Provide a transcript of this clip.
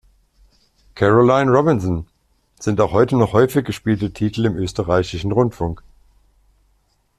Caroline Robinson" sind auch heute noch häufig gespielte Titel im österreichischen Rundfunk.